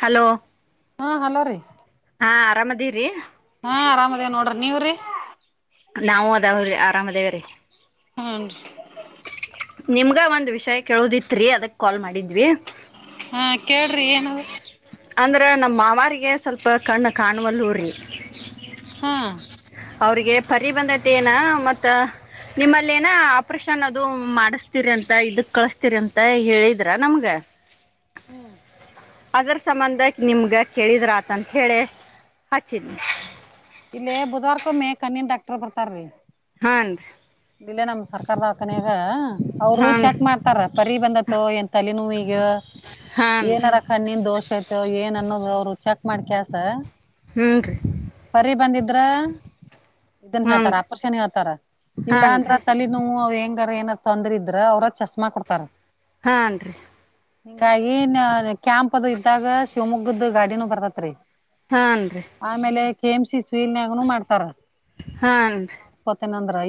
Hello ಹಾಂ hello ರೀ ಹಾ ಆರಾಮದಿರಿ ಹಾ ಆರಾಮದೇ ನೋಡ್ರಿ ನೀವ್ರಿ ನಾವು ಅದಾವ್ರಿ ಆರಾಮ್ ಅದವ್ರೀ ಹುನ್ರಿ ನಿಮ್ಗ ಒಂದ್ ವಿಷಯ ಕೇಳುದಿತ್ರಿ ಅದಕ್ ಕಾಲ್ ಮಾಡಿದ್ವಿ. ಹಾ ಕೇಳ್ರಿ ಏನಾದ. ಅಂದ್ರೆ ನಮ್ಮ ಮಾವಾರಿಗೆ ಸ್ವಲ್ಪ ಕಣ್ಣು ಕಾಣುವಲ್ಲೂರಿ. ಹಾ ಅವ್ರಿಗೆ ಪರಿಬಂದ್ತಿ ಏನ ಮತ್ತ ನಿಮ್ಮಲೆನ ಆಪ್ರಷನ್ ಅದುಂ ಮಾಡಿಸ್ತೀರಿ ಅಂತ ಇದಕ್ ಕಳಸ್ತೀರಿ ಅಂತ ಹೇಳಿದ್ರ ನಮ್ಗ. ಹ್ಮ್ ಅದರ ಸಂಬಂಧ ನಿಮ್ಗ ಕೇಳಿದ್ರಾತಂತ ಹೇಳಿ ಹಚ್ಚಿನಿ. ಇಲ್ಲೇ ಬುಧವಾರ್ಕೊಮೇ ಕಣ್ಣಿನ್ ಡಾಕ್ಟರ್ ಬರ್ತಾರೀ. ಹಾಂದ್. ಇಲ್ಲೇ ನಮ್ಮ ಸರ್ಕಾರದವ್ಕನ್ಯಾಗ ಅವ್ರು ಹಾನ್ ಚೆಕ್ ಮಾಡ್ತಾರ ಪರಿ ಬಂದತ್ತು ಏನ್ ತಲೆ ನೋವಿ. ಏ ಹಾನ್ ಏನಾರ ಕಣ್ಣಿನ್ ದೋಷ ತ ಏನ್ ಅನ್ನೋದು ಅವ್ರು ಚೆಕ್ ಮಾಡ್ ಕ್ಯಾಸ. ಹ್ಮ ರಿ ಪರಿ ಬಂದಿದ್ರ ಇದನ್ ಹ್ಞೂ ಹೇಳ್ತಾರ ಅಪರ್ಷನ್ ಹೇಳ್ತಾರ ಹಾನ್ ರೀ ಇಲ್ಲಾಂದ್ರ ತಲೆ ನೋವು ಹೆಂಗ್ ರ ಏನ ತೊಂದ್ರಿದ್ರ ಅವ್ರ ಚಸ್ಮಾ ಕೊಡ್ತಾರ. ಹಾ ನ್ರಿ ಹಿಂಗಾಗಿ ಕ್ಯಾಂಪ್ ಅದು ಇದ್ದಾಗ ಶಿವಮೊಗ್ಗದ್ದ ಗಾಡಿನೂ ಬರತತ್ರಿ. ಹಾನ್ರಿ ಎಮ್ ಸಿ ಸ್ವಿನ್ಯಾಗುನು ಮಾಡ್ತಾರ. ಹನ್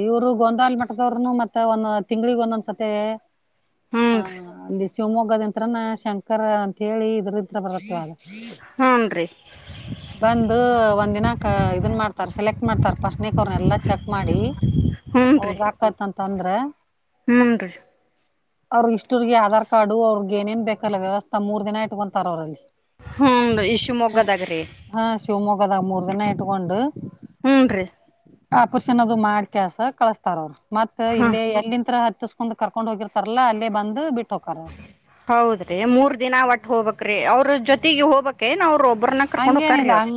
ಇವರು ಗೊಂದಾಲ್ ಮಟ್ಟದವರುನು ಮತ್ತೆ ಒಂದು ತಿಂಗ್ಳಿಗ್ ಒಂದೊಂದ್ಸತಿ ಹಾ ಹೂನ್ರಿ [unintelligible] ಶಿವಮೊಗ್ಗದಂತ್ರಮ್ಮ ಶಂಕರ ಅಂತ ಹೇಳಿ ಇದ್ರತ್ರ ಬರಕೇ ಹೂನ್ರಿ ಬಂದ್ ಒಂದು ಇದನ್ ಮಾಡ್ತಾರೆ ಸೆಲೆಕ್ಟ್ ಮಾಡ್ತಾರೆ ಫಸ್ಟ್ ಪೇಪರ್ ನ್ನೆಲ್ಲ ಚೆಕ್ ಮಾಡಿ [unintelligible] ತಂದ್ರೆ ಹುನ್ರಿ ಅವ್ರ ಇಷ್ಟುರುಗೆ ಆಧಾರ್ ಕಾರ್ಡು ಅವ್ರಗೆ ಏನೇನ್ ಬೇಕಲ್ಲ ವ್ಯವಸ್ಥೆ ಮೂರ್ ದಿನ ಇಟ್ಕೊಂತಾರ ಅವ್ರಲ್ಲಿ. ಹ್ಮ ಈ ಶಿವಮೊಗ್ಗದಾಗ್ರೀ. ಹೊಲ ಮೂರ್ ಎಣ್ಣೆ ಇಟ್ಕೊಂಡು ಹೂನ್ರಿ ಆ ಪುರುಷನದು ಮಾಡ್ ಕೆಲ್ಸ ಕಳಸ್ತಾರ ಅವರು. ಮತ್ತ್ ಹಾ ಇಲ್ಲಿ ಎಲಿಂತ್ರ ಹತ್ ಹಸ್ಕೊಂಡ್ ಕರ್ಕೊಂಡು ಹೋಗಿರ್ತಾರಲ್ಲ ಅಲ್ಲೇ ಬಂದು ಬಿಟ್ ಹೌದ್ರಿ ಮೂರ್ ದಿನ ಒಟ್ಟು ಹೋಗಬೇಕರಿ ಅವ್ರ ಜೊತೆಗೆ ಹೋಗ್ಬೇಕೇನು ಅವ್ರು. ಹಂಗೇನಿಲ್ಲ ಹಂಗ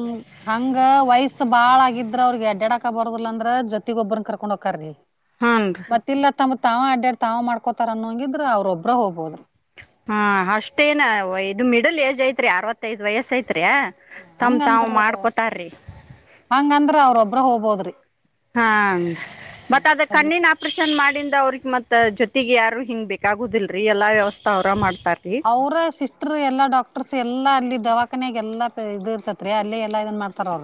ಹಂಗ ವಯಸ್ಸ ಬಾಳ ಆಗಿದ್ರ ಅವ್ರಿಗೆ ಅಡ್ಡಡ ಬರೋದಿಲ್ಲ ಅಂದ್ರ ಜೊತಿಗ್ ಒಬ್ಬರನ್ನ ಕರ್ಕೊಂಡ ಹೋಕಾರಿ ಹಾನ್ರಿ ಮತಿಲ್ಲ ತಮ್ಮ ತಾವ ಅಡ್ಡಡ್ ತಾವು ಮಾಡ್ಕೋತಾರ ಅನ್ನೋಂಗಿದ್ರೆ ಅವ್ರೊಬ್ಬರೇ ಹೋಗಬಹುದು ಹಾ ಅಷ್ಟೇನ್ ಇದು ಮಿಡಲ್ ಏಜ್ ಐತ್ರಿ ಅರವತ್ತೈದ್ ವಯಸ್ಸು ಐತ್. ತ್ಯ ತಮ್ಮ್ ತಾವ್ ಹಂಗಂದ್ರ ಮಾಡ್ಕೊತಾರ್ರಿ ಹೋಗಬೋದ್ರಿ ಹಾ ಮತ್ತು ಅದು ಅಲ್ಲಿ ಕಣ್ಣಿನ ಆಪ್ರೇಷನ್ ಮಾಡಿ. ಅವ್ರಿಗೆ ಮತ್ ಜೊತೆಗೆ ಯಾರು ಹಿಂಗ್ ಬೇಕಾಗುದಿಲ್ ರಿ ಎಲ್ಲ ವ್ಯವಸ್ಥಾ ಅವರ ಮಾಡ್ ಅವ್ರ ಸಿಸ್ಟರ್ ಎಲ್ಲಾ ಡಾಕ್ಟರ್ಸ್ ಎಲ್ಲಾ ಅಲ್ಲಿ ದವಾಖಾನೆಗೆ ಎಲ್ಲಾ ಇದ ಇರ್ತತ್ ರೀ ಅಲ್ಲಿ ಎಲ್ಲಾ ಇದನ್ ಮಾಡ್ ತಲವ್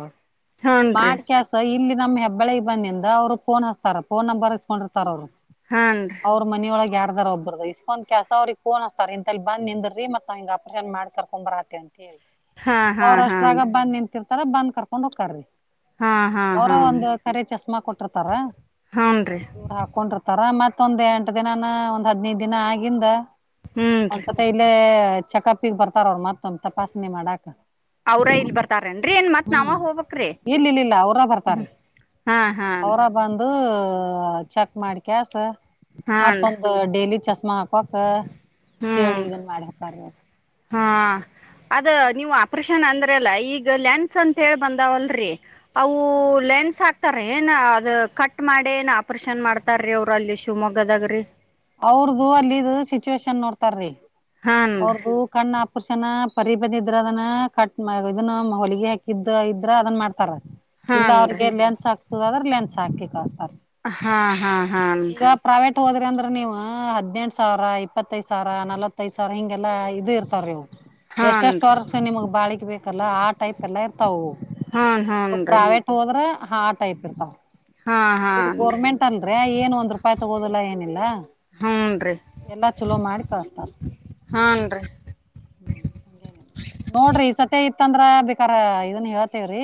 ಹಾನ್ರಿ ಮಾಡ್ ಕೆಸ ಇಲ್ಲಿ ನಮ್ ಹೆಬ್ಬಳಿಗ್ ಬಂದಿದ ಅವ್ರುಫೋನ್ ಹಚ್ತಾರ ಫೋನ್ ನಂಬರ್ ಇಸ್ಕೊಂಡಿರ್ತಾರ ಅವ್ರು. ಹಾನ್ರಿ ಅವರು ಮನೆ ಒಳಗ್ ಯಾಪ್, ಒಬ್ಬ್ರದ ಇಷ್ ಕೋಂದ್ ಕ್ಯಾಶ್ ಅವ್ರಿಗೆ ಫೋನ್ ಹಚ್ತಾರೆ ಅಲ್ಲಿ ಬಂದ ನಿಂದ್ರಿ ಮತ್ತ ಆಪರೇಷನ್ ಮಾಡ್ ಕರ್ಕೊಂಡು ಬರಕತ್ತಿ ಅಂತನಿ ಹಾ ಹಾ ಹಾನ್ ಅವ್ರಷ್ಟ್ರಾಗ ಬಂದ್ ನಿಂತಿರ್. ಅವರೆ ಬಂದ ಕರ್ಕೊಂಡ್ ಹೋಗ್ತಾರ್ ರೀ ಹಾ ಹಾ ಅವರ ಹಾನ್ ಒಂದು ಕರೆ ಚಸ್ಮಾ ಕೊಟ್ಟಿರ್ತಾರ ಹಾನ್ ರೀ ಇವ್ರ್ ಹಾಕೊಂಡಿರ್ತಾರ ಮತ್ ತ್ತೊಂದ್ ಎಂಟು ದಿನಾನ ಒಂದ್ ಹದ್ನೈದ ದಿನ ಆಗಿಂದ ಹ್ಮ್ ರೀ ಒಂದ್ಸತ ಇಲ್ಲೇ ಚೆಕ್ಅಪ್ಪಿಗ್ ಬರ್ತಾರ್ ಅವ್ರು ಮತ್ತೊಂದ್ ತಪಾಸಣೆ ಮಾಡಾಕ ಅವ್ರ ಇಲ್ಲಿ ಬರ್ತಾರೇನ್ರೀ ಏನ್ ಮತ್ ಹ್ಮ್ ನಾವ ಹೋಬಕ್ ರೀ ಇಲ್ ಇಲ್ ಇಲ್ಲ ಅವ್ರ ಹ್ಹ್ ಬರ್ತಾರ್ರಿ. ಹಾ ಹಾ ಓ ಚೆಕ್ ಮಾಡ್ಕೇಸ ಹಾನ್ ಮತ್ತೊಂದು ಡೈಲಿ ಕಸ್ ಮಾಪಕ ಹೇಳಿ ಹ್ಮ್ ಈಗನ ಮಾಡಿರತ್ತಾರ್ ಹಾ ಅದ ನೀವು ಆಪ್ರೆಶ್ ಶನ್ ಅಂದ್ರೆ ಎಲ್ಲಾ ಈಗ ಲೆನ್ಸ್ ಅಂತೇಳಿ ಬಂದಾವಲ್ರೀ ಅವೂ ಲೆನ್ಸ್ ಹಾಕ್ತರ ಏನ ಅದು ಕಟ್ ಮಾಡಿ ಏನ್ ಆಪರೇಷನ್ ಮಾಡ್ತಾರೀ ಅವರು ಅಲ್ಲಿ ಶಿಮೊಗ್ಗದಾಗ್ರೀ ಅವ್ರ್ ದೂ ಅಲ್ಲಿದು ಸಿಚುಯೇಶನ್ ನೋಡ್ತಾರ್ರಿ ಹಾನ್ ರೀ ಅವ್ರ್ ದೂ ಕಣ್ ಆಪ್ ಪುರ್ಷನ್ನಾ ಪದೆ ಪದೆ ಇದ್ರ ಅದನ್ನ ಕಟ್ ಮಾ ಇದುನ್ನಾ ಹೊಲಿಗೆ ಹಾಕಿದ್ದ ಇದ್ರ ಅದನ್ ಮಾಡ್ತಾರ ಇಲ್ಲ ಹಾನ್ ರೀ ಅವ್ರಿಗೆ ಲೆನ್ಸ್ ಹಾಕ್ ಸ್ ಅದ್ರಲ್ಲಿ ಲೆನ್ಸ್ ಹಾಕಿ ಕಳ್ಸ್ ಹಾ ಹಾ ಹಾನ್ ರಿ ಟು ಅಂದ್ರಂದ್ ನೀವೂ ಹದ್ನೆಂಟ್ ಸಾವ್ರ ಇಪ್ಪತ್ತೈದ್ ಸಾವ್ರ ನಲ್ವತ್ತೈದ್ ಸಾವ್ರ ಹಿಂಗೆಲ್ಲ ಇದಿರ್ತಾರ್ರಿ ಇವು ಹಾನ್ ಎಷ್ಟೆಷ್ಟ್ ರೀ ವರ್ಸ್ ನಿಮಿಗ್ ಬಾಳಿಕ್. ಇ ಬೇಕಲ್ಲ ಆ ಟೈಪ್ ಎಲ್ಲ ಇರ್ತವು ಹಾನ್ ನೀವು ಹೂನ್ ರೀ ಪ್ರಾವೇಟ್ ಹೋದ್ರ ಹಾ ಟೈಪ್ ಇರ್ತಾವ್ ಹಾ ಇದು ಹಾನ್ ರೀ ಗೋರ್ಮೆಂಟ್ ಅಲ್ರಿ ಏನ್ ಒಂದ್ ರೂಪಾಯಿ ತಗೋದಿಲ್ಲ ಏನಿಲ್ಲ ಹೂನ್ ರೀ ಎಲ್ಲಾ ಚಲೋ ಮಾಡಿ ಕಳ್ಸ್ತಾರ್ ಹಾನ್ರಿ ಹ್ಮ್ ಹಂಗೇನಿಲ್ಲ ನೋಡ್ರಿ ಈ ಸತಿ ತಿ ಇತ್ತಂದ್ರ ಬೇಕಾರ ಇದನ್ ಹೇಳ್ತಿವ್ರಿ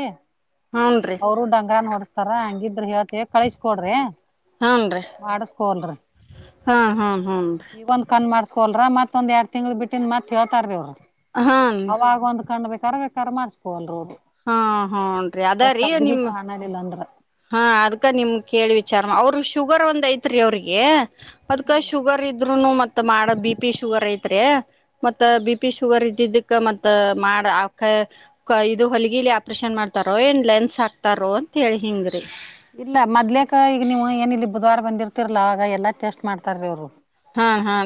ಹೂನ್ರಿ ಅವ್ರು [unintelligible] ತರಾ ಹಂಗಿದ್ರೆ ಹೇಳ್ ತಿವ್ ಕಳಿಸ್ಕೊಡ್ರಿ ಮಾಡಸ್ಕೋಳ್ರಿ. ಹ್ಮ ಹ್ಮ್ ಹ್ಮೀ ಕೊಲ್ರ ಮತ್ತೊಂದು ಎರಡು ತಿಂಗಳ ಬಿಟ್ಟಿದಂದು ಮತ್ತ ಹೇತಾರ ರೀ ಅವರು. ಹಾನ್ ಅವಾಗ ಒಂದ್ ಕಾಣ್ಬೇಕು. ಕರವೇ ಕರ್ ಮಾಡಸ್ಕೋಲ್ ರೋಡ್ ಹಾ ಹನ್ ಅದಾರೀ ನಿಮ ಕಾಣಲಿಲ್ಲ ಅಂದ್ರ ಹಾ ಅದ್ಕ ನಿಮ್ ಕೇಳಿ ವಿಚಾರ ಅವ್ರ ಶುಗರ್ ಒಂದ್ ಐತ್ ಅವ್ರಿಗೆ. ಅದ್ಕ ಶುಗರ್ ಇದ್ರುನು ಮತ್ತ ಮಾಡ ಬಿ ಪಿ ಶುಗರ್ ಐತ್ರಿ. ಮತ್ತೆ ಬಿ ಪಿ ಶುಗರ್ ಇದ ಅದ್ದಕ್ಕ ಮತ್ ಮಾಡ ಇದು ಹೊಲಗಿಲಿ ಆಪ್ರೇಷನ್ ಮಾಡ್ತಾರೋ ಏನ್ ಲೆನ್ಸ್ ಹಾಕ್ತಾರೋ ಅಂತ ಹೇಳಿ ಹಿಂಗ್ರ ಸ ಇಲ್ಲ ಮದ್ಲಕ್ಕ ಈಗ ನೀವು ಏನ ಇಲ್ಲಿ ಬುಧವಾರ ಬಂದಿರ್ತಿರ್ಲ ಅವಾಗ ಎಲ್ಲಾ ಟೆಸ್ಟ್ ಮಾಡ್ತಾರೀ ಅವ್ರು. ಹಾ ಹಾ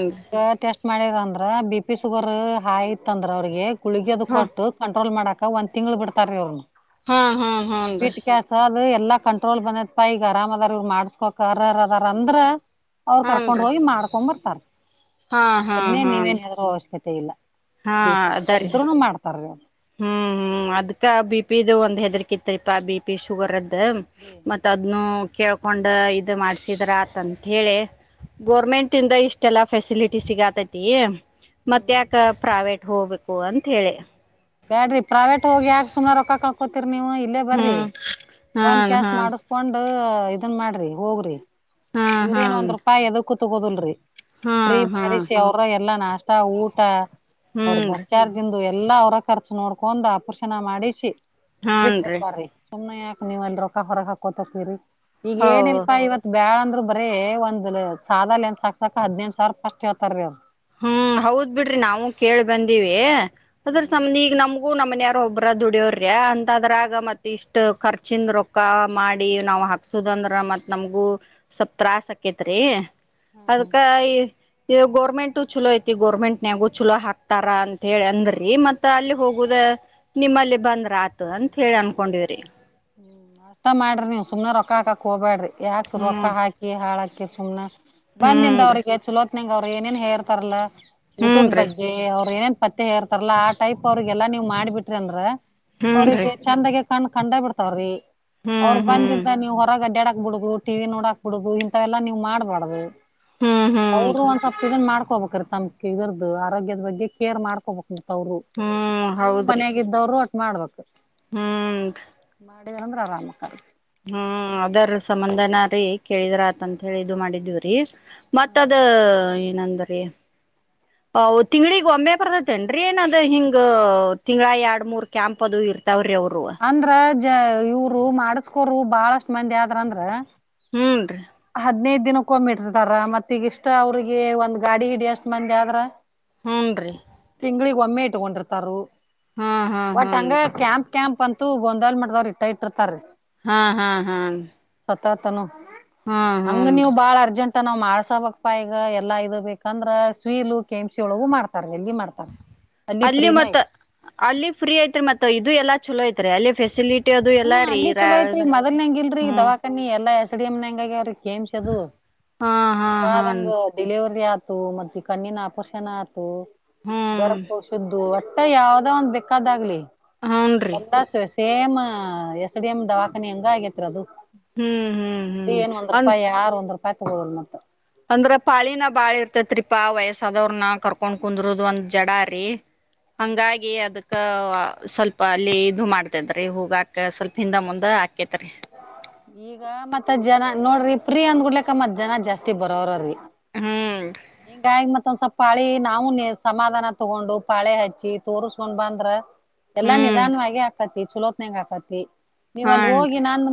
ಮಾಡರಂದ್ರ ಬಿ ಪಿ ಶುಗರ್ ಆಯ್ತಂದ್ರ ಅವ್ರಿಗೆ. ಕುಳಗ್ಗೋದ ಹಾ ಕೊಟ್ಟ ಕಂಟ್ರೋಲ್ ಮಾಡಕ್ ಅಡ್ಕ ಒಂದ ತಿಂಗಳು ಬಿಡ್ತಾರೀ ಅವು. ಹ್ಮ ಹ್ಮ್ ಹ್ಮನ್ ರೀ ಅ ಎಲ್ಲ ಕಂಟ್ರೋಲ್ ಬಂದತ್ ಪಾ ಈಗ ಅರಾಮ ಅದಾರ್ ಇವ್ ಮಾಡಸ್ಕೋಕ್ರ ಅದ ಅಂದ್ರ ಅವ್ರ ಕರ್ಕೊಂಡ್ ಹೂನ್ರಿ ಹೋಗಿ ಮಾಡ್ಕೊ ಬರ್ತಾರ. ಹಾ ಹಾ ಹಾ ತೆ ಇಲ್ಲ ಬಿಪಿ ಸಗರ್ ಅದರಿ ಇದ್ರುನು ಮಾಡ್ತಾರ ಹ್ಮ್ ಹ್ಮ್ ಅದ್ಕ ಬಿಪಿ ಒಂದ್ ಹೆದ್ರಕಿತ್ರಿಪಾ ಬಿ ಪಿ ಶುಗರ್ದ. ಮತ್ತ ಮತ್ತ ಅದನ್ನು ಕೇಳ್ಕೊಂಡು ಇದು ಮಾಡ್ಸಿದ್ರ ಆತಂತ ಹೇಳಿ. ಗೋರ್ಮೆಂಟ್ ಇಂದ ಇಷ್ಟ ಎಲ್ಲ ಫೆಸಿಲಿಟಿ ಸಿಗಾತೈತಿ. ಮತ್ತ ಹ್ಮ್ ಯಾಕ ಪ್ರಾವೇಟ್ ಹೋಗ್ಬೇಕು ಅಂತ ಹೇಳಿ ಬೇಡಿ ಪ್ರೈವಟ್ ಹೋಗಿ ಸುಮಾರ ರೊಕ್ಕ ಕಕೋತಿರಿ. ನೀವು ಇಲ್ಲೇ ಬರ್ರಿ ಹ್ಮ್ ಬಂದ್ ಹಾನ್ ಕೆಸ ಹಾನ್ ಮಾಡಸ್ಕೊಂಡ್ ಇದನ್ ಮಾಡ್ರಿ ಹೋಗ್ರಿ. ಹಾ ಇವ್ರರೇನು ಹಾನ್ ಒಂದ್ ರೂಪಾಯಿ ಯಾದುಕ್ಕು ತಗೋಬಂದರಿ ಹಾ ಪ್ರಿ ಹಾ ಮಾಡಿಸಿ ಅವರ ಎಲ್ಲ ಎಲ್ಲ ನಾಷ್ಟ ಊಟ ಅವರ ಬಸ್ ಹೂನ್ರಿ ಚಾರ್ಜ್ ಇಂದ ಎಲ್ಲ ಎಲ್ಲಾ ಅವರ ಖರ್ಚ ನೋಡ್ಕೊಂಡ್ ಅಪರ್ಷನ ಮಾಡಿಸಿ. ಹಾನ್ರಿ ಬಿಠಹೊಕ್ಕರಿ ಸುಮ್ಮನೆ ಯಾಕಕ್ ನೀವು ಅಲ್ಲಿ ರೊಕ್ಕ ಹೊರ ಹಕೋತೀರಿ ಈಗ ಹೌ ಏನ ಇಲ್ಪಾ ಇವತ್ ಬ್ಯಾಳಂದ. ಬರೇ ಒಂದ್ ಸಾದ ಲೆಂತ್ಸ್ ಹಾಕ್ಸಕ್ ಹದ್ನೆಂಟ ಸಾವಿರ ಫಸ್ಟ್ ಹೇಳ್ತಾರ ರೀ ಅವರ ಹ್ಮ್ ಹೌದ್ ಬಿಡ್ರಿ ನಾವು ಕೇಳ ಬಂದಿವಿ ಅದರ ಹ್ಮ್ ಸಂಬಂಧ ಈಗ ನಮ್ಗ ಗೂ ನಮ್ಮನ್ಯಾರ ಒಬ್ರ ದುಡಿಯವ್ರಿ ಅಂತಾದ್ರಾಗ ಮತ್ ಇಷ್ಟ್ ಖರ್ಚಿಂದ ರೊಕ್ಕ ಮಾಡಿ ನಾವ್ ಹಾಕ್ಸುದ ಅಂದ್ರ ಮತ್ ನಮ್ಗೂ ಸ್ವಲ್ಪ್ ತ್ರಾಸ್ ಅಕೇತ್ರಿ ಅದಕ್ಕ ಈ ಇದ ಗೌರ್ಮೆಂಟ್ ಪೇಮೆಂಟ್ ಚಲೋ ಐತಿ ಗೋರ್ಮೆಂಟ್ನ್ಯಾಗು ಚಲೋ ಹಾಕ್ತಾರ ಅಂತ ಹೇಳಿ ಅಂದ್ರಿ ಮತ್ತ ಅಲ್ಲಿ ಹೋಗುದ ನಿಮ್ಮಲ್ಲಿ ಬಂದ್ರ ಆತ ಅಂತತ್ ಹೇಳಿ ಅನ್ಕೊಂಡಿವ್ರಿ ಹ್ಮ್ ಅಷ್ಟ ಮಾಡ್ರಿ ನೀವ್ ಸುಮನ ರೊಕ್ಕ ಹಾಕಕ್ ಹೊಗಬ್ಯಾಡ್ರಿ. ಯಾಕೆ ರೊಕ್ಕ ಹ್ಮ್ ಹಾಕಿ ಹಾಳಕರಿ ಕ ಸುಮನ್ ಬಂದಿಂದ ಹ್ಮ್ರೀ ಅವ್ರಿಗೆ ಚಲೋ ನಂಗೆ ಅವರು ಏನೇನ್ ಹೇರ್ತಾರಲ್ಲ ಊಟದ್ ಹ್ಮ್ರೀ ಬಗ್ಗೆ ಅವ್ರ ಏನೆನ ಪತ್ತೆ ಹೇಳಿರತಿರಲ್ಲ ಆ ಟೈಪ್ ಅವ್ರಿಗೆಲ್ಲಾ ನೀವ್ ಮಾಡಿಬಿಟ್ರಿ ಅಂದ್ರ ಹ್ಮ್ರೀ ಅವ್ರರಿಗೆ ಚಂದಗ ಕಣ ಕಂಡ ಬಿಡ್ತ ಸಾರೀ ಅವರು ಹ್ಮ್ ಹ್ಮ್ ಬಂದಿದ್ದ ನೀವು ಹೊರಗ ಅಡ್ಡಯಡಕ್ ಹ ಬಿಡ್ಗು ಟಿವಿ ನೋಡಾಕ್ ಬಿಡುದ ಇಂತಥವೆಲ್ಲಾ ನೀವು ಮಾಡ್ಬಾರ್ದು ಹ್ಮ್ ಹ್ಮ್ ಅವರು ಒಂದ್ ಸ್ವಲ್ಪ ಇದನ್ ಮಾಡ್ತಾರೆ ಹೊಬೇಕ್ರೀ ತಮ್ ಫಿಗರದ ಆರೋಗ್ಯದ ಬಗ್ಗೆ ಕೇರ್ ಮಾಡ್ಕೋಬೇಕ. ಅವರು ಹ್ಮ್ ನೀವು ಹೌದ್ರಿ ಮನಾಗ್ದವರು. ಮಾಡ್ಬೇಕ. ಹ್ಮ್ ಆಾಡಗಳ ಗ್ರಾಮಾಮಕ್ಕಳ ಮತ್ತ ಕೇಳಿದ್ರ ಆತ ಅಂತ ಹೇಳಿ ಇದು ಮಾಡಿದೀವ್ರೀ ಮತ್ತದ ಏನಂದ್ರಿ, ತಿಂಗಳಗ್ ಒಮ್ಮೆ ಬರ್ದತೆೇನ್ರೀ, ಏನದು ಹಿಂಗ ತಿಂಗ್ಳ ಎರಡ್ ಮೂರ್ ಕ್ಯಾಂಪ್ ಅದು ಇರ್ತಿ ತಾವ್ರಿ ಅವರು ಅಂದ್ರ ಜ ಇವರು ಮಾಡಸ್ಕೋರು ಬಾಳಷ್ಟ ಮಂದಿ ಆದ್ರಂದ್ರ ಹಂದು ಹದ್ನೈದ ದಿನಕ್ಕೆ ಹೋಗ್ಬಿಟ್ಟರ್ತಾರ ಮತ್ತ ಈಗಿಷ್ಟ ಅವ್ರಿಗೆ ಒಂದ್ ಗಾಡಿ ಹಿಡಿ ಅಷ್ಟ್ ಮಂದಿ ಆದ್ರ ಹೂನ್ ರೀ ಅಮ್ಮಿ ಇಟ್ ಕೊಂಡಿರ್ತಾರ. ಹಾ ಹಾ ಹನ್ ಒಟ್ಟಂಗ ಕ್ಯಾಂಪ್ ಕ್ಯಾಂಪ್ ಅಂತೂ ಒಂದಲ್ ಮಾಡ್ದವ್ ಇಟರ್ ಇಟ್ಟಿರ್ತಾರೀ. ಹಾ ಹಾ ಹಾ ಸತ್ತತನು ಹಂಗ ನೀವು ಹನ್ರಿ ಬಾಳ ಅರ್ಜೆಂಟ್ ಮತ್ತ ನಾವ್ ಮಾಡ್ಸಬೇಕಪ್ಪ ಈಗ ಎಲ್ಲ ಇ ಬೇಕಂದ್ರೆ ಸ್ವೀಲು ಕೆೇಮ್ಸಿ ಒಳಗು ಮಾಡ್ತಾರ. ಎಲ್ಲಿ ಮಾಡ್ತಾರ ಅಲ್ಲಿ ಪ್ರೀನ ಮತ್ತ ಐತಿ ಅಲ್ಲಿ ಫ್ರೀ ಐತ್ರಿ ಮತ್ತ ಇದು ಎಲ್ಲಾ ಚಲೋ ಐತ್ [unintelligible] ಫೆಸಿಲಿಟಿ ಅದು ಹಾ ಎಲ್ಲ ರೀ ಅಲ್ಲಿ ಚಲೋ ಹ್ಮ್ ಸಿಯ ನಂಗಗೆ ರ ಕೆಮ ಚದು ಹಾ ಹಾ ಹಾನ್ ಬೇಕಾದಂಗ ಡಿಲಿವರಿ ಆ ಮತ್ತೆ ಕಣ್ಣ ನ ಆಪೋಷಣ ಆತು. ಹ್ಮ್ ಗರ್ಪ್ಪ ಶುದ್ದು ಮ ಯಾವದ ಒಂದ್ ಬೇಕಾದಾಗ್ಲಿ ಹನ್ರಿ ಎಲ್ಲಸ್ ವ್ಯಸ ಸೇಮ್ ಎಸ್ಡಿ ಎಮ್ ದವಾಖಾನೆ ಹೆಂಗ ಆಗೇತ್ ಅದು. ಹ್ಮ್ ಹ್ಮ್ ಅದ ಹ್ಮ್ ಏನು ಒಂದ ಅಂದ ರೂಪಾಯ ಯಾರು ಒಂದ ರೂಪಾಯ ಪತ್ಕದು ಮತ್ತ ಇತತ್ರಿಪಾ ವಯಸ್ಸಾದವ್ರ ನ ಕರ್ಕೊಂಡ್ ಕುಂದರುದು ಒಂದ್ ಜಡಾರಿ ಹಂಗಾಗಿ ಅದಕ್ ಸ್ವಲ್ಪ ಅಲ್ಲಿ ಇದು ಮಾಡ್ತೇದ್ರಿ ಹೂಗಾಕ ಸ್ವಲ್ಪ ಹಿಂದ ಮುಂದಕ್ಕ. ಕತಾರೆ ಈಗ ಮತ್ ಜನ ನೋಡ್ರಿ ಪ್ರೀ ಅಂದ್ ಗುಡ್ಲಕ್ಕ ಮತ್ ಜನ ಜಾಸ್ತಿ ಬರೋರ್ರರಿ. ಹ್ಮ್ ನೀ ಗಾಯ ಮತ್ತ ಮೊಂದ್ ಸ್ವಲ್ ಪಾಳಿ ನಾವವು ಸಮಾಧಾನ ತಗೊಂಡು ಪಾಳೆ ಹಚ್ಚಿ ತೋರ್ಸ್ಕೊಂಡ್ ಬಂದ್ರ. ಎಲ್ಲಾ ಹ್ಮ್ ನಿಧಾನವಾಗಿ ಹಾಕತ್ತರಿ. ಚಲೋ ನ ಹಾಕತಿ. ಹಾ [inaudible]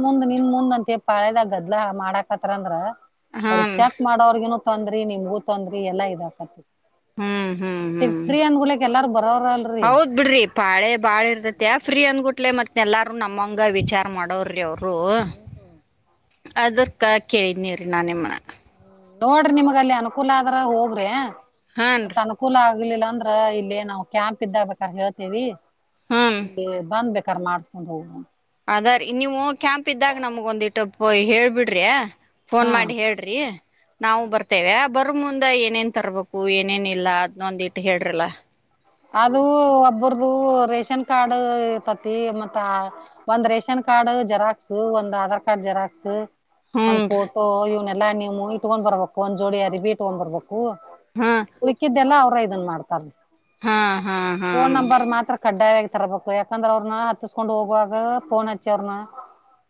ಮುಂದ್ ನಿನ್ ಮುಂದ್ ಅಂತ ಪಾಳೆದಾಗ ಗದ್ಲ ಮಾಡಾಕತ್ರ ಅಂದ್ರ [inaudible] ಅವ್ರಿಗೆ ಹಾನ್ರಿ ಚೆಕ್ ಮಾಡೋರ್ಗೆ ಅವ್ರಾಗ್ ತೊಂದ್ರಿ ನಿಮಗೂ ತೊಂದ್ರಿ ಎಲ್ಲಾ . ಹ್ಮ್ ಹ್ಮ್ ಹ್ಮ್ ಎಲ್ಲಾರು ಬರೋರಲ್ರಿ ಹೌದ್ ಬಿಡ್ರಿ ಪಾಳೆ ಬಾಳ ಇರ್ತತ ಫ್ರೀ ಅನ್ಬಿಟ್ಟ. ಕುಡ್ಲೆ ಮತ್ ಎಲ್ಲಾರೂ ನಮ್ಮಂಗ ವಿಚಾರ ಮಾಡೋವ್ರೀ ಅವ್ರು . [unintelligible] ಅದಕ ಕೇಳಿನಿ ರೀ ನಾನ ನಿಮ್ಮನ. ನೋಡ್ರಿ ನಿಮಗೆ ಅನುಕೂಲ ಆದ್ರೆ ಹೋಗ್ರಿ ಮತ್ತ ಹಾನ್ರಿ ಅನುಕೂಲನಾಗ್ . ಆಗ್ಲಿಲ್ಲ ಅಂದ್ರ ಇಲ್ಲಿ ನಾವು ಕ್ಯಾಂಪ್ ಇದ್ದಾಗಬೇಕಾದ್ರ ಹೇಳ್ತೇವಿ. ಹ್ಮ್ ಇಲ್ಲಿ ಬಂದ್ಬೇಕ್. ಕರ್ ಮಾಡ್ಸ್ಕೊಂಡ್ ಹೋಗು ಅದಾ ರೀ ನೀವು ಕ್ಯಾಂಪ್ ಇದ್ದಾಗ ನಮಗ್ ಒಂದ್ ಇಟ್ಟು ಹೇಳ್ಬಿಡ್ರೀ. ಫೋನ್ ಹಾ ಮಾಡಿ ಹೇಳ್ರಿ ನಾವು ಹಾ. ಬರ್ತೇವೆ. ಬರ್ ಮುಂದೆ ಏನೇನ್ ತರ್ಬೇಕು ಏನೇನ್ ಇಲ್ಲ ಅದ್ನ್ ಒಂದ್ ಇಟ್ಟ ಹೇಳ್ರಲ್ಲಾ. ಅದು ಒಬ್ಬರ್ದು ರೇಷನ್ ಕಾರ್ಡ್ ಇತತಿ ಮತ್ತ ಒಂದ್ ರೇಷನ್ ಕಾರ್ಡ್ ಜೆರಾಕ್ಸ್ ಒಂದ್ ಆಧಾರ್ ಕಾರ್ಡ್ ಜೆರಾಕ್ಸ್ ಒಂದ್ ಹೂನ್ರಿ ಫೋಟೋ ಇವನ್. ಇಲ್ಲ ನೀವು ಮುಯ್ ತಗೋಂಡ್ ಬರ್ಬೇಕು ಒಂದ್ ಜೋಡಿ ಅರಿಬೆ ತಗೋಂಡ್ ಬರ್ಬೇಕು. ಓ ಹಾ ಉಳ್ಕಿದ್ದೆಲ್ಲಾ. ಇದನ್ ಮಾಡ್ತಾರೀ. ಹಾ ಹಾ ಹಾ ಫೋನ್ ನಂಬರ್ ಮಾತ್ರ ಕಡ್ಡಾಯ. ತರಬೇಕು ಯಾಕಂದ್ರ ಅವ್ರನ್ನ ಹತ್ತಸ್ಕೊಂಡ್ ಹೋಗುವಾಗ ಫೋನ್ ಹಚ್ಚಿ ಅವ್ರನ್ನ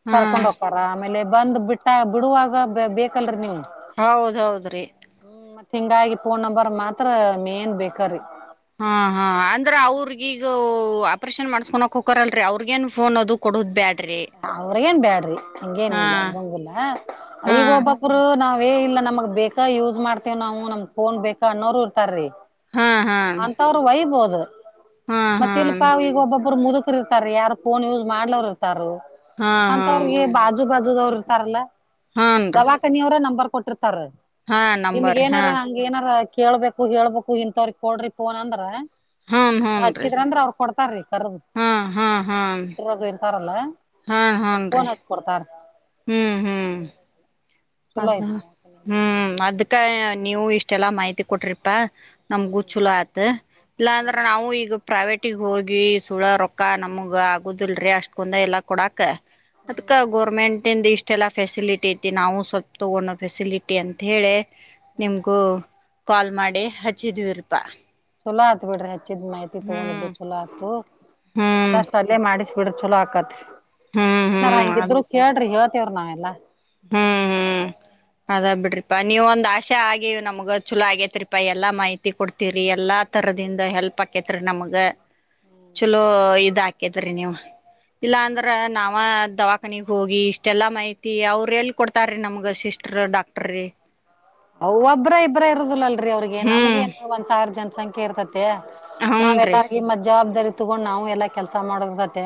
ಹಾ ಕರ್ಕೊಂಡ್ ಹೋಕ್ತಾರ ಆಮೇಲೆ ಬಂದ್ ಬಿಟ್ಟಾ ಬಿಡುವಾಗ ಬೇಕಲ್ರೀ ನೀವು ಹೌದ್ ಹೌದ್ರಿ ಹ್ಮ್ ಮತ್ ಹಿಂಗಾಗಿ ಫೋನ್ ನಂಬರ್ ಮಾತ್ರಾ ಮೇನ್ ಬೇಕರೀ. ಹಾ ಹಾ ಅಂಗಾರೆ ಅವ್ರಗೀಗು ಆಪರೇಷನ್ ಮಾಡ್ಸ್ಕೊನಕ್ ಹೊಕರಲ್ರೀ ಅವ್ರಿಗೇನ್ ಫೋನ್ ಅದು ಕೊಡುದ್ ಬ್ಯಾಡ. ಅವ್ರಗೇನ್ ಬ್ಯಾಡ್ರಿ ಹಂಗೇನ್ ಹಾ ಇಲ್ಲ ಇರಂಗಿಲ್ಲಾ ಹಾ ಈಗ ಒಬ್ಬೊಬ್ರು ನಾವ್. ನಾವೇ ಇಲ್ಲಾ ನಮಗ್ ಬೇಕಾ ಯೂಸ್ ಮಾಡ್ತೇವ್ ನಾವು ನಮ್ ಫೋನ್ ಬೇಕಾ ಅನ್ನೋರು ಇರ್ತಾರೀ ಹಾ ಹಾ ಅಂತವ್ರು ಒಯ್ಬೊದು. ಹಾ ಹ [inaudible] [unintelligible] ಮತ್ತೆ ಇಲ್ಲಿ ಪಾ ಹಾ ಈಗ ಒಬ್ಬೊಬ್ರು ಮುದುಕ್. ಇರ್ತಾರ್ ರೀ ಯಾರು ಫೋನ್ ಯೂಸ್ ಮಾಡ್ಲೋರ್ ಇರ್ತಾರು ಹಾ ಅಂತವ್ರಿಗೆ ಹಾನ್ರಿ ಬಾಜು ಬಾಜು [unintelligible] ಇರ್ತಾರಲ್ಲಾ ಹಾನ್ರಿ ದವಾಖಾನಿ ಅವ್ರೆ ನಂಬರ್ ಕೊಟ್ಟಿರ್. ತ್ತರ್ ಹಾ ನಿಮಗ್ ನಂಬರ್ ಹಾ ಏನಾರ ಹಂಗ್ ಏನಾರ ಕೇಳ್ಬೇಕು ಹೇಳ್ಬೇಕು ಎಂತಥವ ಕೊಡ್ರಿ ಫೋನ್ ಅಂದ್ರ ಹೂನ್ ನೀ ಹೂನ್ರಿ ಹಚ್ಚಿದ್ರ ಅಂದ್ರ ಅವ್ರ ಕೊಡ್ತಾರೀ ಹಾ ಹಾ ಹಾ ಅಲ ಹಾ ಹನ್ ರೀ ಹ್ಮ್ ಹ್ಮ್ ಚಲೋ ಅದ ಐತಿ ಹ್ಮ್ ಅದಕ್ಕೆ ನೀವು ಇಷ್ಟೆಲ್ಲ ಮಾಹಿತಿ ಕೊಟ್ಟ್ರರಿ ನಮ್ಗೂ ಚಲ ಆಯತ್ ಇಲ್ಲಾಂದ್ರ ನಾವು ಈಗ ಪ್ರೈವೇಟಿಗೆ ಹೋಗಿ ಸುಳ ರೊಕ್ಕ ನಮ್ಗೆ ಆಗೋದಲ್ರಿ ಅಷ್ಟ ಕುಂದ ಎಲ್ಲ ಕೊಡಕ್ಕೆ ಅದ್ಕ ಹ್ಮ್ ಗೋರ್ಮೆಂಟ್ಂದ ಇಷ್ಟ ಎಲ್ಲ ಫೆಸಿಲಿಟಿಐತಿ ನಾವು ಸ್ವಲ್ಪ ತಗೋಣೋ ಫೆಸಿಲಿಟಿ ಅಂತ ಹೇಳಿ ನಿಮ್ಗೂ ಕಾಲ್ ಮಾಡಿ ಹಚ್ಚಿದ್ವಿರ್ಪಾ ಛಲೋ ಆತ್ ಬಿಡ್ರಿ ಹೆಚ್ಚಿದ್ ಮಾಹಿತಿ ತಗೊಂಡಿದ್ದು ಛಲೋ ಆತು ಹ್ಮ್ ನೀವ್ ಅಷ್ಟ ಅಲ್ಲೇ ಮಾಡಿಸ ಛಲೋ ಅಕತಿ ಹ್ಮ್ ಏನಾರ ಹ್ಮ್ ಅದ್ ಹಂಗಿದ್ರು ಕೇಳ್ರಿ ಇವತ್ ರ್ನಾವಲ್ಲ ಹ್ಮ್ ಹ್ಮ್ ಅದ್ ಬಿಡ್ರಿಪಾ ನೀವ ಒಂದ್ ಆಶೆ ಆಗಿವ ನಮ್ಗ ಚಛಲೋ ಆಗೇತ್ರಿಪಾ ಎಲ್ಲಾ ಮಾಹಿತಿ ಕೊಡ್ತಿವ್ರರಿ ಎಲ್ಲಾ ತರದಿಂದ ಹೆಲ್ಪ್ ಆಕೇತ್ರಿ ನಮ್ಗ ಚಲೋ ಇದಾಗಿ ಕಿದ್ರರಿ ನೀವು ಇಲ್ಲ ಅಂದ್ರ ನಾವ ದವಾಖಾನೆ ಹೋಗಿ ಇಷ್ಟೆಲ್ಲಾ ಮಹತಿ ಅವರು. ಎಲ್ಲಿ ಕೊಡ್ತಾರೀ ನಮ್ಗ ಸಿಸ್ಟರ್ ಡಾಕ್ಟರ್ ಅವ ಒಬ್ಬ್ರ ಇಬ್ಬ್ರ ಇರುದಿಲ್ಲಲ್ಲ. ಅವ್ರಿಗೆ ನಮಗೆ ಹ್ಮ್ ಒಂದ್ ಸಾವಿರ ಜನ ಸಂಕ್ಯರ್ತತಿ ಹೂನ್ರಿ ನಾವೆಲ್ಲಾರಿಗಿ ಜವಾಬ್ದರಿ ತಗೊಂಡು ನಾವು ಎಲ್ಲ ಕೆಲಸ ಮಾಡೋದ ಗತೆ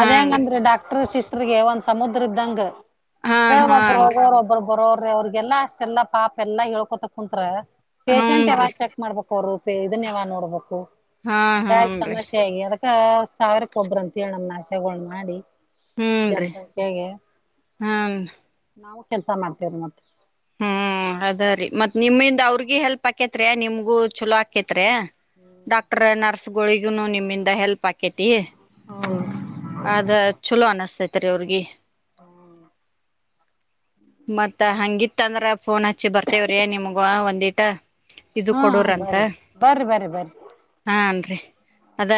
ಅದ ಹಾನ್ರಿ ಹೆಂಗಂದ್ರೆ ಡಾಕ್ಟರ್ ಸಿಸ್ಟರ್ ಗೆ ಒಂದ್ಸ ಸಮುದ್ರದ್ದಂಗ್ ಹ ಹಾನ್ ಹಾನ್ರಿ ಒಬ್ಬರ್ಗ ರೊಬ್ಬರ್ ಬರೋ್ರೆ ಅವ್ರಿಗೆಲ್ಲ ಅಷ್ಟೆಲ್ಲ ಪಾಪ ಎಲ್ಲ ಹೇಳ್ಕೋತ ಕುಂತ್ತ್ರ ಪೇಶಂಟ್ ಹೂನ್ರಿ ಯಾವಾಗ ಚೆಕ್ ಮಾಡ್ಬೇಕು ಅವರು. ಇದನ್ ಯಾವ ನೋಡ್ಬೇಕು? ಹಾ ಹಗ ಹೂನ್ರಿ ಸಮಸ್ಯೆ ಆಗ ಅ ಸಾವಿಕ್ಕ ಒಬ್ಬ್ರ ಅಂತ ಹೇಳಮ್ಮ್ ನಾಶಗಳ ಮಾಡಿ ಹೂನ್ರಿ ಜನಸಂಖ್ಯಾಗೆ ಹಾನ್ ನಾವು ಕೆಲ್ಸ ಮಾಡ್ತೇವ ಮತ್ತೆ ಹ್ಮ್ ಅದ ರೀ ಮತ್ ನಿಮ್ಮಿಂದ ಅವ್ರಿಗಿ ಹೆಲ್ಪ್ ಆಕೇತ್ರಿಯ ನಿಮ್ಗೂ ಚಲೋ ಆಕೇತ್. ಡಾಕ್ಟರ್ ನರ್ಸ್ ಸ್ಗಳಿಗುನು ನಿಮ್ಮಿಂದ ಹೆಲ್ಪ್ ಹಾಕೇತಿ. ಹ ಅದ ಚಲೋ ಅನಿಸ್ತ ಅವ್ರಿಗೆ ಹ್ಮ ಮತ್ತ ಹಂಗಿತ್ತ ಅಂದ್ರೆ ಫೋನ್ ಹಚ್ಚಿ ಬರ್ತೇವ್ರೀ ನಿಮಗ ಒಂದಿ ಅಡ ಹಾ ಹಾ ಬರಿ ಬರಿ ಬರ್ರಿ ಬರಿ ಹಾನ್ರಿ ಅದ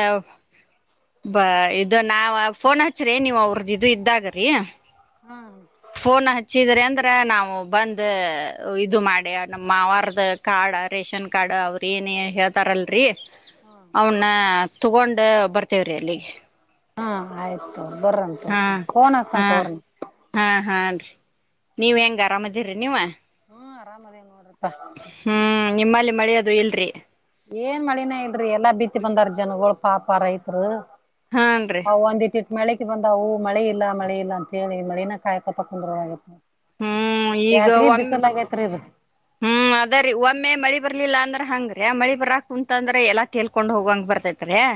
ಬ ಇದ ನಾವ ಫೋನ್ ಹಚ್ಚ್ರೇ ನೀವ್ ಅವ್ರದ ಇದು ಇದ್ದಾಗರಿ. ಹಾ ಫೋನ್ ಹಚ್ಚಿದ್ರ ಅಂತ ಅಂದ್ರ ನಾವು ಬಂದ ಇದು ಮಾಡಿ ನಮ್ಮವಾರದ ಕಾರ್ಡ್ ರೇಷನ್ ಕಾರ್ಡ್ ಅವ್ರ ಏನ ಹೇಳ್ತಾರಲ್ರರಿ. ಅವನ್ನ ತಗೊಂಡ ಬರ್ತೇವ್ರಿ ಅಲ್ಲಿ ಹಾ ಆಯ್ತು. ಹಾ [unintelligible] ಹಾ ಹಾನ್ರಿ ನೀವ್ ಹೆಂಗ್ ಆರಾಮದಿರಿ ನೀವ ಹ್ಮ್ ಆರಾಮದೇವ ನೋಡ್ರಿಪಾ ಹ್ಮ್ ನಿಮ್ಮ ಮಳೆ ಅದು ಇಲ್ರಿ ಏನ್ ಮಳಿನೇ ಇಲ್ರಿ ಎಲ್ಲಾ ಬಿತ್ತಿ ಬಂದಾರ ಜನಗಳು ಪಾಪ ರೈತ್ರು ಹಾನ್ರಿ ಮಳೆಗೆ ಬಂದವು ಮಳೆ ಇಲ್ಲ ಮಳೆ ಇಲ್ಲ ಅಂತ ಹೇಳಿ ಮಳನ ಕಾಯಕೊತಕೊಂಡ್ರ [inaudible] ಹ್ಮ್ ಈಗ ಒಮ್ಮ ಆಗೇತ್ರಿ ಇದು. ಹ್ಮ್ ಅದ್ರೀ ಒಮ್ಮೆ ಮಳಿ ಬರ್ಲಿಲ್ಲ ಅಂದ್ರೆ ಹಂಗ್ರೀ ಮಳಿ ಬರಾಕ್ ಕುಂತ ಅಂದ್ರೆ ಎಲ್ಲಾಳ್ಕೊಂಡ್ ಹೋಗಂಗ್ ಬರ್ತೈತ್ರಿ